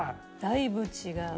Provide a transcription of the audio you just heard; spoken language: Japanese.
だいぶ違う。